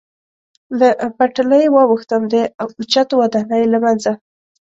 له پټلۍ واوښتم، د اوچتو ودانیو له منځه.